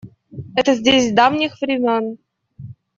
Это здесь с давних времён.